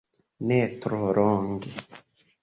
Ne tro longe.